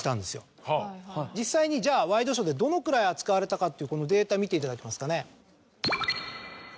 実際にじゃあワイドショーでどのくらい扱われたのかというこのデータ見ていただけますかね。